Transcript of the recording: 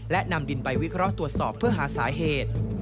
และนำดินไปวิเคราะห์ตรวจสอบเพื่อหาสาเหตุ